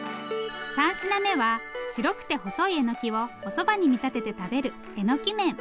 ３品目は白くて細いえのきをおそばに見立てて食べるえのき麺。